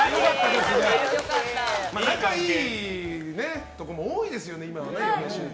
仲いいところも多いですよね、今はね。